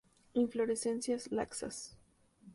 Inflorescencias laxas.